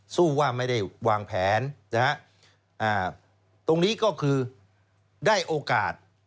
สู้ว่าไม่ได้วางแผนนะฮะตรงนี้ก็คือได้โอกาส